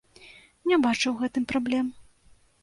Не бачу ў гэтым праблем.